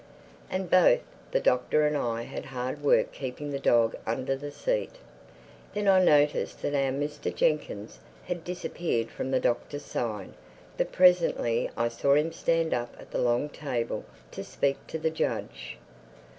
And both the Doctor and I had hard work keeping the dog under the seat. Then I noticed that our Mr. Jenkyns had disappeared from the Doctor's side. But presently I saw him stand up at the long table to speak to the judge.